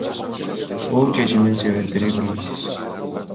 Бул чечимдин себептери белгисиз.